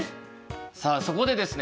さあそこでですね